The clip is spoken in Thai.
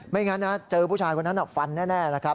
งั้นนะเจอผู้ชายคนนั้นฟันแน่นะครับ